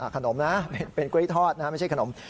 ขนมนะเป็นกล้วยทอดนะไม่ใช่ขนม